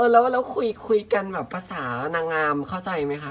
แล้วคุยกันแบบภาษานางงามเข้าใจไหมคะ